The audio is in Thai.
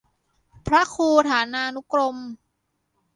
พระครูฐานานุกรม